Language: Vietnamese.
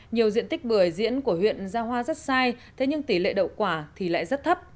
nhiều diện tích bưởi diễn của huyện ra hoa rất sai thế nhưng tỷ lệ đậu quả thì lại rất thấp